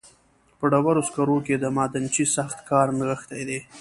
په ډبرو سکرو کې د معدنچي سخت کار نغښتی دی